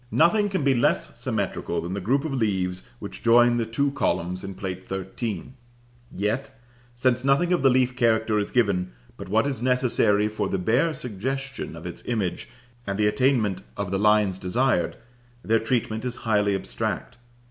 Nothing can be less symmetrical than the group of leaves which join the two columns in Plate XIII.; yet, since nothing of the leaf character is given but what is necessary for the bare suggestion of its image and the attainment of the lines desired, their treatment is highly abstract.